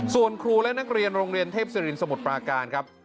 ส่วนครูและนักเรียนโรงเรียนเทพศิรินสมุทรปราการครับ